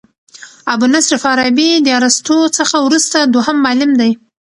ابو نصر فارابي د ارسطو څخه وروسته دوهم معلم دئ.